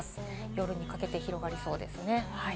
夜にかけて広がりそうですね。